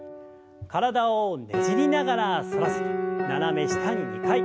体をねじりながら反らせて斜め下に２回。